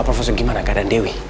profesor gimana keadaan dewi